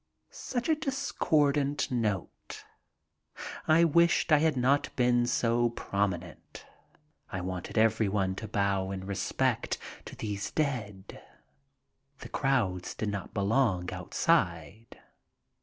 Such a discordant note. I wished I had not been so promi nent. I wanted everyone to bow in respect to these dead. The crowds did not belong outside.